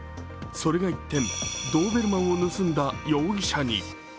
それが一転、ドーベルマンを盗んだ容疑者に。